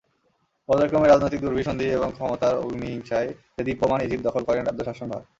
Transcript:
পর্যায়ক্রমে রাজনৈতিক দূরভিসন্ধি এবং ক্ষমতার অগ্নিহিংসায় দেদীপ্যমান এজিদ দখল করেন রাজ্যশাসন ভার।